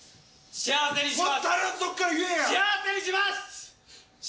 幸せにします。